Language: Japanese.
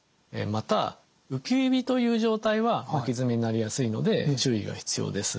また浮き指という状態は巻き爪になりやすいので注意が必要です。